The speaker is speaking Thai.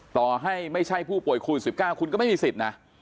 ต่อให้ไม่ใช่ผู้ป่วยโควิด๑๙คุณก็ไม่มีสิทธิ์นะ